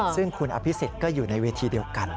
ซึ่งคุณอภิษฎก็อยู่ในเวทีเดียวกัน